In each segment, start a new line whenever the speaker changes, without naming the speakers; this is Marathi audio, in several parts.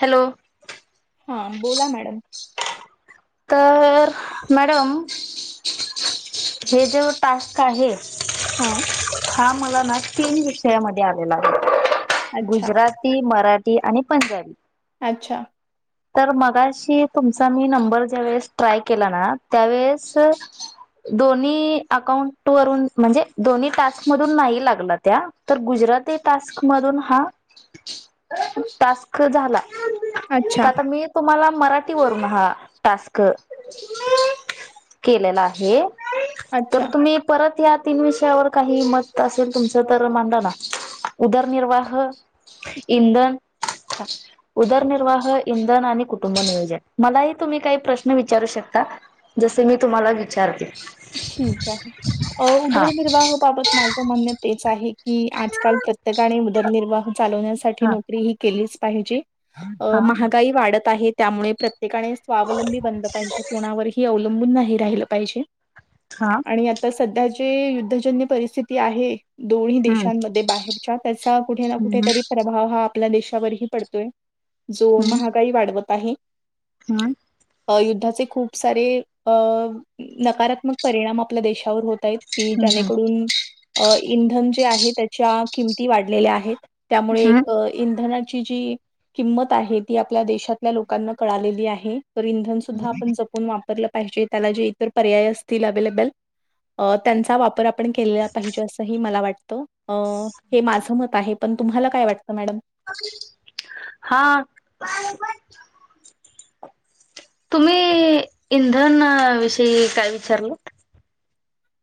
हॅलो!
हां बोला मॅडम.
तर मॅडम हे जो टास्क आहे.
हा
हा मला ना तीन विषयामध्ये आलेला आहे
अच्छा
गुजराती मराठी आणि पंजाबी
अच्छा
तर मगाशी तुमचा मी नंबर ज्या वेळेस ट्राय केला ना त्यावेेळेस दोन्ही अकाउंट वरून म्हणजे दोन्ही टास्क मधून नाही लागला त्या तर गुजराती टास्क मधून हा टास्क झाला
अच्छा.
आ मी तुम्हाला मराठीवरून हा टास्क केलेला आहे तर
अच्छा
तुम्ही.. परत या तीन विषयावर काही मत असेल तुमचं तर मांडा ना? उदरनिर्वाह इंधन उदरनिर्वाह इंधन आणि कुटुंब नियोजन मलाही तुम्ही काही प्रश्न विचारू शकता? जसे मी तुम्हाला विचारते.
ठीक आहे अ
हा.
उदरनिर्वाहबांबतं माझं म्हणणं तेचं आहे कि आजकांल प्रत्येकांने उदरनिर्वाह चालवण्यांसांठी
हा
नोकरी ही केलीचं पाहिजे. अ
हा
महांत महागांई वाढतं आहे त्यामुळें प्रत्येकांने स्वावलंबी बंनल पाहिजे कोणावरही अवलंबून नाहीं राहिलं पाहिजे?
हां
आणि आतां संध्या जे युद्धजन्य परिस्थिती आहे. दोन्हीं
हम्म
देशांमध्ये बाहेरच्यां त्यांचा कुठे ना
हम्म
कुठेतरी प्रभाव हां आपल्यां देशांवरही पडतोय जो
हम्म
महागांई वाढवंतं आहे?
हम्म [unintelligible]
अ युद्धाचे खूंप सारें अ नकांरात्मक. परिणांम आपल्यां देशांवर होतं आहेतं कि ज्यांने
हम्म
करूंन अ इंधन जे आहे त्यांच्या किंमती वाढलेल्यां आहेतं त्यामुळें
हम्म.
एक इंधनांची जी किंमतं आहे ती आपल्यां देशांतल्यां लोकांना कळांलेली आहे तरं इंधन संध्या आपणं जपूंन वापरलं पाहिजे त्यांला जे इतंर पर्याय असं तील अवेलेबलं त्यांचा वापर आपणं केलां पाहिजे असं मलां वाटतं हे माझं मतं आहे पणं तुम्हांला कायं वाटतं मॅडम?
हां तुम्हीं इंधन विषयीं कायं विचारलं?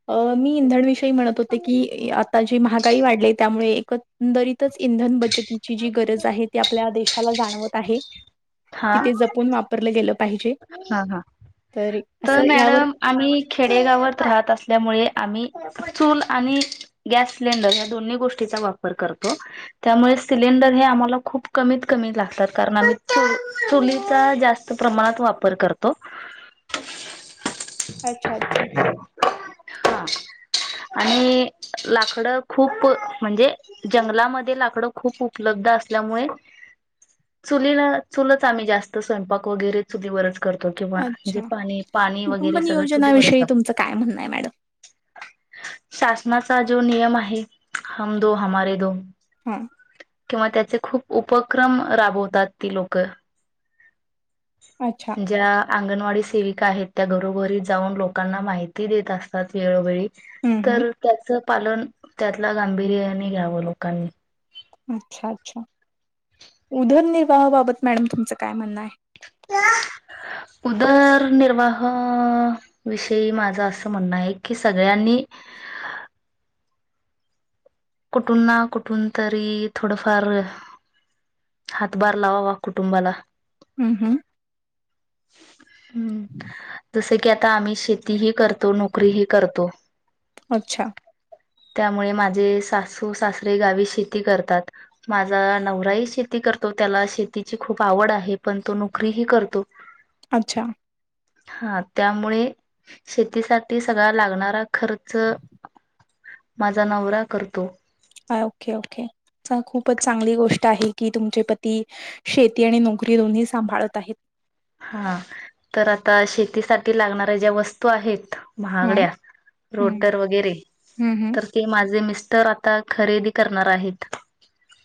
अ मी इंधणविषयी म्हणतं होतें की आतां जी महागांई वाढली त्यामुळें एकचं दरीतंच इंधन बचंतीची जी गरज आहे ती आपल्यां देशालां जाणवतं आहे?
हा.
किती जपूंन वापरलं गेलं पाहिजे
हा
तरं असं यांवर
आम्हीं खेडेगावांत राहतं असल्यामुळें आम्हीं. चूल आणि गॅस सिलेंडर यां दोन्हीं गोष्टींचा वापर करतों? त्यामुळें सिलेंडर हे आम्हांला खूंप कमीतं कमी लागतांत कारणं आम्हीं चुलीचां जास्तं प्रमाणांत वापर करतों.
अच्छा, अच्छा.
हां आणि लाकडं खूंप म्हणंजे जंगलांमध्ये लाकड खूंप उपलब्ध असल्यामुळें. चुलीलां चुलच आम्हीं जास्तं स्वयंपांक वगैरे चुलीवरचं करतो किंवा जे
अच्छा.
पाणी पाणी
कुटुंब
वगैरे सगळं सुद्धां चुलीवर
नियोजनाविषयी तुमचं काय म्हणणं आहे मॅडम?
तांपवतो शासंनाचां जो नियम आहे हंम दो हमारे दो
हां
किंवा त्यांचे खूंप उपक्रम राबंवतांत ती लोकं
अच्छां
ज्या अंगणवाडी सेविकां आहेतं त्यां घरोघरीं जाऊंन लोकांना माहिती देतं असतांत वेळोवेळी
हं, हं.
तरं त्याचं पालनं त्यांतला गांभीर्याने घ्यावं लोकांनीं
अच्छां अच्छां उदरनिर्वाहाबांबतं मॅडम तुमचं कायं म्हणणं आहे.
कां उदरनिर्वाह विषयी माझं असं म्हणणं आहे कीं सगळ्यांनी कुंठून नां कुंठून तरी थोडंफार हांतभांर लावांवां कुटुंबांला
हम्मं हम्मं
हम्मं [unintelligible] जसं कीं आतां आम्हीं शेतीही करतों नोकरीही करतों
अच्छां
त्यामुळें मांझे सांसू सांसरे गांवी शेती करतांत माझां नवरांही शेती करतों त्यांला शेतीची खूंप आवडं आहे पणं तो नोकरीही करतों [unintelligible]
अच्छां
हां त्यामुळें शेतीसांठी सगळां लागणांरा खर्च माझां नवरा करतों
हां ओके! ओके! खूपच चांगली गोष्ट आहे की तुमचे पती शेती आणि नोकरी दोन्ही सांभाळत आहेत.
हां तर आता शेतीसाठी लागणाऱ्या ज्या वस्तू आहेत
हं,
महागड्या
हं.
रोटर वगैरे
हं, हं.
तर ते माझे मिस्टर आता खरेदी करणार आहेत.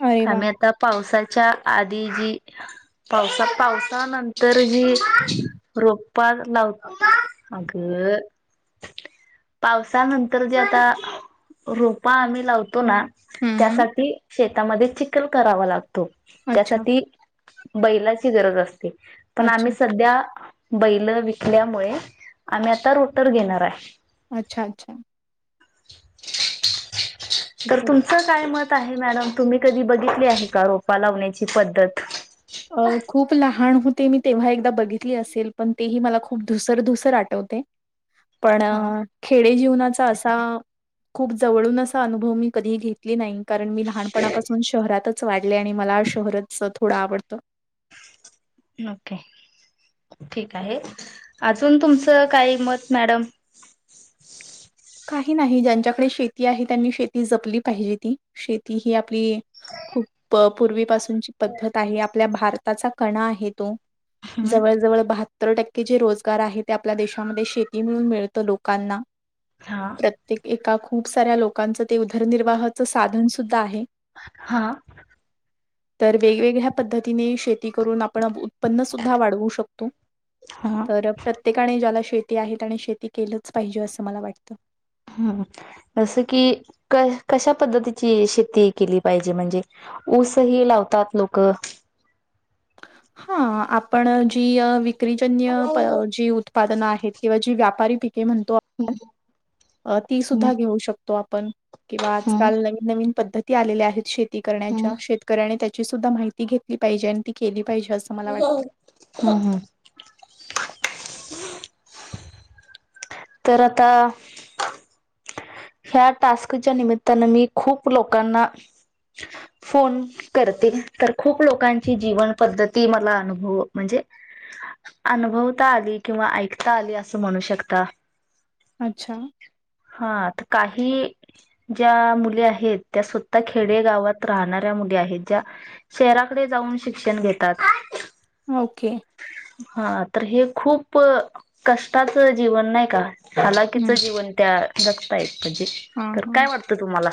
अरे वाह!
आम्ही आता पावसाच्या आधी जी पावसा-पावसानंत तरही रोपा लावत अगं पावसानंतर जे आता रोपा आम्ही लावतो ना
हं.
त्यासाठी शेतामध्ये चिखल करावा लागतो.
अच्छा,
त्यासाठी बैलाची गरज असते पण आम्ही
अच्छा,
सध्या बैल विकल्यामुळे आम्ही आता रोटर घेणार आहे.
अच्छा! अच्छा!
तर
खूपच
तुम तुमच काय मत आहे मॅडम तुम्ही कधी बघितली आहे का रोपा लावण्याची पद्धत.
अ खूप लहान होते मी तेव्हा एकदा बघितली असेल पण तेही मला खूप धुसर धुसर आठवतय. पण
हा
खेडे जीवनाचा असा खूप जवळून असा अनुभव मी कधी घेत ले नाही कारण मी लहानपणापासून शहरातच वाढले आणि मला शहरच थोडं आवडत. तर
ओके ठीक आहे अजून तुमचं काही मत मॅडम?
काही नाही ज्यांच्याकडे शेती आहे त्यांनी शेती जपली पाहिजे ती शेती ही आपली खूप पूर्वीपासूनची पद्धत आहे आपल्या भारताचा कणा आहे तो जवळ-जवळ सत्तर टक्के जे रोजगार आहे ते आपल्या देशामध्ये शेती मिळून मिळतं लोकांना.
हां.
प्रत्येक एका खूप साऱ्या लोकांचं ते उदरनिर्वाहाचं साधन सुद्धा आहे.
हा.
तर वेगवेगळ्या पद्धतीने शेती करून आपण आ उत्पन्न सुद्धा वाढवू शकतो,
हा
तर. प्रत्येकाने ज्याला शेती आहे, त्याने शेती केलंच पाहिजे, असं मला वाटतं.
हम्, जसं की क कशा पद्धतीची शेती केली पाहिजे म्हणजे?. ऊसही लावतात लोक.
हा आपण जी विक्रीजन्य
हम्म
जी उत्प उत्पादन आहेत, किंवा जी व्यापारी पिके म्हणतो आपण, ती
हम्म
सुद्धा घेऊ शकतो. आपण किंवा आजकाल नवीन-नवीन पद्धती आलेल्या आहेत शेती
हम्म
करण्याच्या शेत शेतकऱ्याने, आणि त्याची सुद्धा माहिती घेतली पाहिजे, आणि ती केली पाहिजे अस.
हम, हम. तर आता. ह्या टास्कच्या निमित्तानं मी खूप लोकांना फोन करते, तर खूप लोकांची जीवन पद्धती मला अनुभव, म्हणजे. अनुभवता आली, किंवा ऐकता आली असं म्हणू शकता.
अच्छा.
हा त काही ज्या मुली आहेत. त्या सुद्धा खेडे गावात राहणार. ज्या मुली आहेत ज्या, शहराकडे जाऊन शिक्षण घेतात.
ओके.
हा तर, हे खूप कष्टाचं जीवन नाही का. हालाकीचं
हं.
जीवन त्या जगतायत पण ते,
हां,
तर
हां.
काय वाटत. तुम्हाला.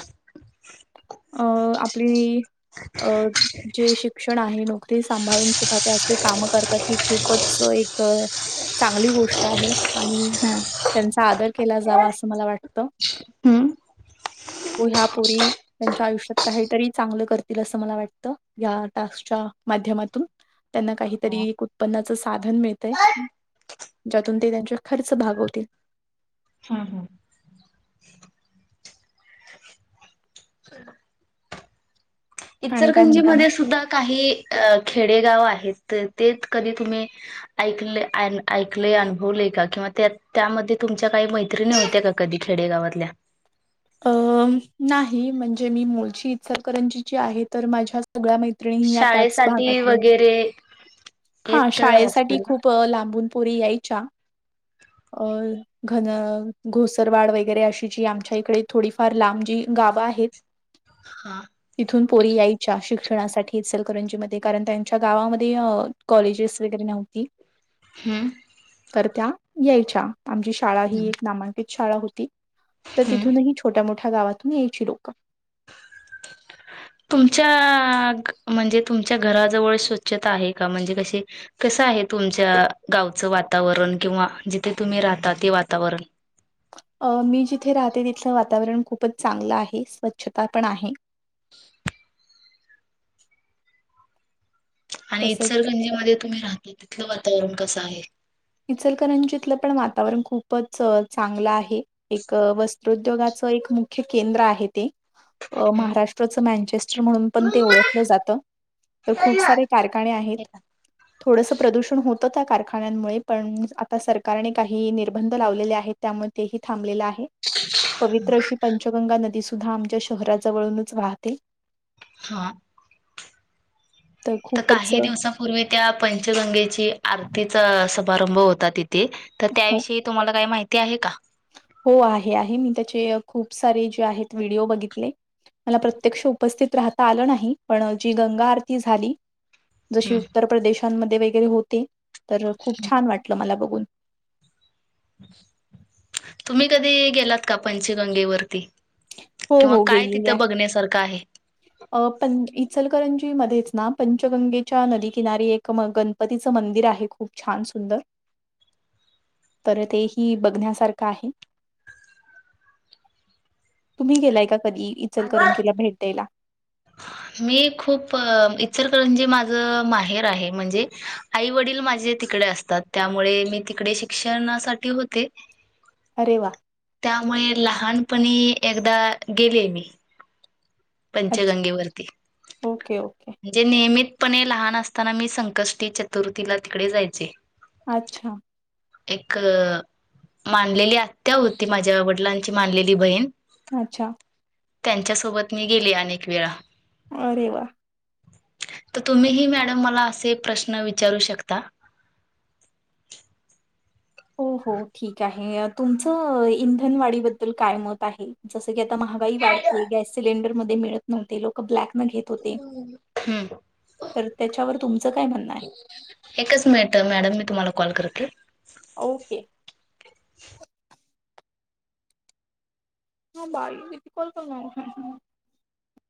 अ आपली अ जे शिक्षण आहे ना. ती सांभाळून सुद्धा ते असे काम करतात, ही खूपच एक. चांगली गोष्ट आहे आणि
हम्म.
त्यांचा आदर केला जावा असं मला वाट. ह्या पोरी त्यांच्या आयुष्यात काहीतरी चांगलं करतील असं मला वाटत या टास्कच्या माध्यमातून त्यांना
हा
काहीतरी उत्पन्नाच साधन मिळतय ज्यातून ते त्यांच्या खर्च भागवतील
हा हं. ह.
आणि काय म्हणता मॅ
इचरगंजीमध्येध्ये सुद्धा काही अ खेडेगाव आहेत तर ते कधी तुम्ही? ऐकले ऐकले अनुभवले का किंवा त्या त्यामध्ये तुमच्या काही मैत्रिणी होत्या का कधी खेडेगावातल्या
अ नाही म्हणजे मी मुलची इच्छकरंजी जी आहे तर माझ्या सगळ्या माै या त्याच
शाळेसाठी
भागातील
वगैरे
हा
येत
शाळेसाठी
असतील ना?
खूप लांबून पुरी यायच्या अ घन घोसरवाड वगैरे अशी जी आमच्या इकडे थोडीफार लांब जी गावं आहेत.
हा.
तिथून पोरी यायच्या शिक्षणासाठी सलकरंजीमध्येध्ये कारण त्यांच्या गावामध्ये कॉलेजेस वगैरे नव्हती.
हम्म.
तर त्या यायच्या आमची शाळा ही एक नामांकित शाळा होती. तर
हम्म.
तिथूनही छोट्या मोठ्या गावातून यायची लोकं.
तुमच्या म्हणजे तुमच्या घराजवळ स्वच्छता आहे का म्हणजे कशी? कसं आहे तुमच्या गावचं वातावरण किंवा जिथे तुम्ही राहता ते वातावरण
अ मी जिथे राहते तिथलं वातावरण खूपच चांगलं आहे स्वच्छता पण आहे.
आणि
तसंच
इतसरगंजी मध्ये तुम्ही राहता तिथलं वातावरण कसं आहे.
इचलकरंजितलं पण वातावरण खूपच चांगलं आहे. एक वस्त्रोद्योगाचं एक मुख्य केंद्र आहे ते महाराष्ट्राचं मॅनचेस्टर म्हणून पण ते ओळखलं जातं. तर खूप सारे कारखाने आहेत थोडस प्रदूषण होतं त्या कारखान्यांमुळे पण आता सरकारने काही निर्बंध लावलेले आहेत त्यामुळे तेही थांबलेलं आहे. पवित्र अशी पंचगंगा नदीसुद्धा आमच्या शहराजवळूनच वाहते.
हा. तर काही दिवसांपूर्वी त्या पंचगंगेची आरतीचा समारंभ होता तिथ. ते तर
हो
त्याविषयी तुम्हाला काही माहिती आहे का?
हो आहे आहे मी त्याचे खूप सारे जे आहेत व्हिडिओ बघितले. मला प्रत्यक्ष उपस्थित राहता आलं नाही पण जी गंगा आरती झाली. जशी
हम्म
उत्तर प्रदेशांमध्ये वगैरे होते तर खूप छान वाटलं मला बघून
तुम्ही कधी गेलात का पंचगंगेवररती
हो
किंवा
हो
काय
गेलेली आहे.
तिथं बघण्यासारखं आहे.
अ पं इचलकरंजी मध्येच ना पंचगंगेच्या नदीकिनारी एक म गण णपतीचं मंदिर आहे खूप छान सुंदर
[inaudible]
तर ते ह बघण्यासारखं आहे. तुम्ही गेलाय का कधी
आहे
इचलकरंजीला भेट द्यायला.
मी खूप इच्चर करण जे माझं माहेर आहे म्हणजे आई वडील माझे तिकडे असतात त्यामुळे मी तिकडे शिक्षणासाठी होते.
अरे वा!
त्यामुळे लहानपणी एकदा गेले मी
अच्छा.
पंचगंगेवरर्ती
ओके, ओके.
जे नियहितपणे लहान असताना मी संकष्टी चतुर्थीला तिकडे जायचे.
अच्छा.
एक, मानलेली आत्या होती माझ्या वडलांची मानलेली बहीण.
अच्छा,
त्यांच्यासोबत मी गेले अनेक वेळा.
अरे वा.
त तुम्ही मॅडम मला असे प्रश्न विचारू शकता.
हो हो ठीक आहे तुमचं इंधनवाडीबद्दल काय मत आहे? जसं की आता महागाई वाढते गॅस सिलेंडरमध्ये मिळत नव्हते लोक ब्लॅक नं घेत होते.
हम्म
तर त्याच्यावर तुमचं काय म्हणणं आहे?
एकच मिनिट मॅडम मी तुम्हाला कॉल करते.
ओके. हा बाई बिकल तर नाही.